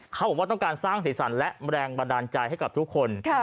เขาบอกว่าต้องการสร้างสีสันและแรงบันดาลใจให้กับทุกคน